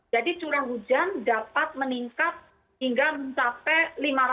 jadi curah hujan dapat meningkat hingga mencapai